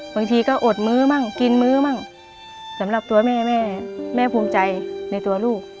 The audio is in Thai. บางทีก็อดมื้อมั่งกินมื้อมั่งสำหรับตัวแม่แม่ภูมิใจในตัวลูก